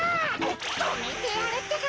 とめてやるってか！